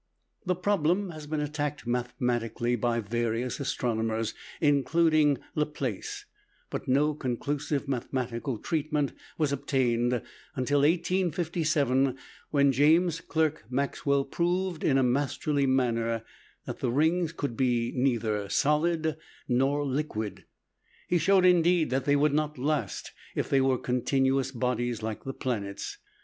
The problem has been attacked mathematically by various astronomers, including Laplace; but no conclusive mathematical treatment was obtained until 1857, when James Clerk Maxwell proved in a masterly manner that the rings could be neither solid nor liquid. He showed, indeed, that they would not last if they were continuous bodies like the planets.